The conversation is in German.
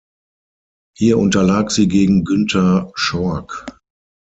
Hier unterlag sie gegen Günter Schork.